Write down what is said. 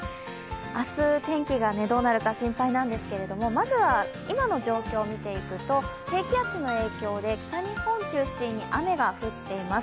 明日、天気がどうなるか心配なんですけどまずは今の状況を見ていくと低気圧の影響で北日本中心に雨が降っています。